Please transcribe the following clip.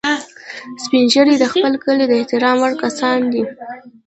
سپین ږیری د خپل کلي د احترام وړ کسان دي